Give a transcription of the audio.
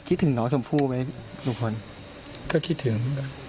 คิดถึงน้องสมภู่ไว้ลุงพลก็คิดถึง